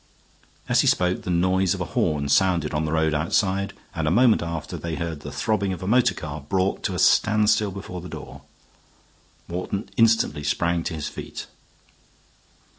As he spoke the noise of a horn sounded on the road outside, and a moment after they heard the throbbing of a motor car brought to a standstill before the door. Morton instantly sprang to his feet.